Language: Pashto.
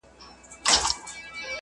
هغه فایبر چې خوړل کېږي بدن ته ګټه رسوي.